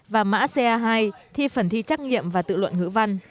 và mã ca hai thi phần thi trắc nghiệm và tự luận ngữ văn